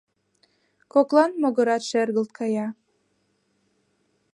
Коклан могырат шергылт кая.